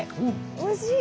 おいしい！